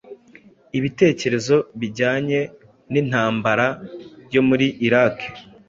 ibitekerezo bijyanye nintambara yo muri Iraki